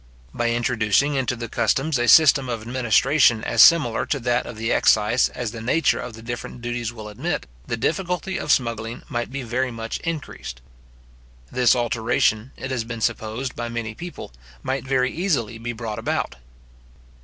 By introducing into the customs a system of administration as similar to that of the excise as the nature of the different duties will admit, the difficulty of smuggling might be very much increased. This alteration, it has been supposed by many people, might very easily be brought about.